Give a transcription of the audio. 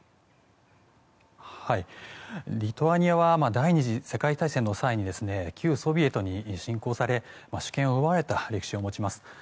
リトアニアは第２次世界大戦の際に旧ソビエトに侵攻され主権を奪われた歴史があります。